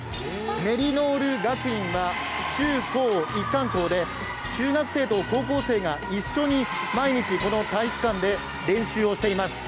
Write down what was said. メリノール学院は中高一貫校で中学生と高校生が一緒に毎日この体育館で練習をしています。